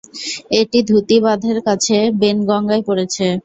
এটি ধুতি বাঁধের কাছে বেনগঙ্গায় পড়েছে।